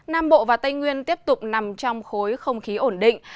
nam bộ và tây nguyên tiếp tục nằm trong khối không khí ổn định